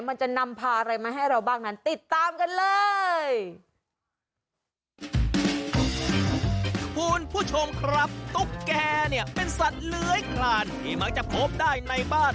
มันจะนำพาอะไรมาให้เราบ้างนั้น